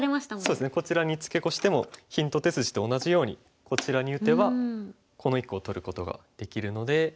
こちらにツケコしてもヒント手筋と同じようにこちらに打てばこの１個を取ることができるので。